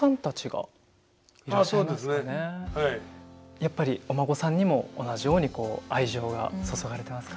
やっぱりお孫さんにも同じようにこう愛情が注がれてますか？